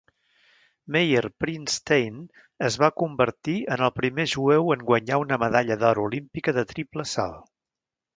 Meyer Prinstein es va convertir en el primer jueu en guanyar una medalla d'or olímpica de triple salt.